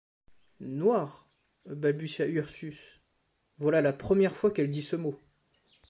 Noir! balbutia Ursus, voilà la première fois qu’elle dit ce mot !